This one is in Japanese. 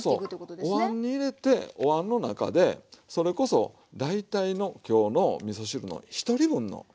おわんに入れておわんの中でそれこそ大体の今日のみそ汁の１人分の作り方ですよ。